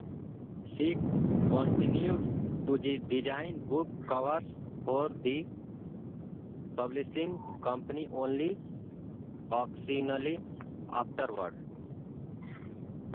She continued to design book covers for the publishing company only occasionally afterwards.